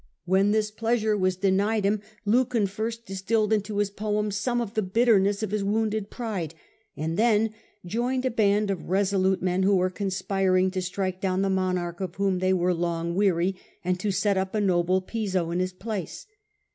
When this pleasure was denied him Lucan first distilled into his poem some of the bitterness of his wounded pride, and then joined a band of ,,^\.. he took part resolute men who were conspiring to strike in a con dowm the monarch of whom they were long weary and to set up a noble Piso in his place.